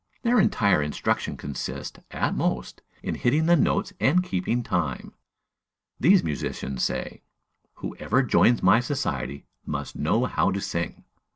Their entire instruction consists, at most, in hitting the notes and keeping time. These musicians say: "Whoever joins my society must know how to sing!"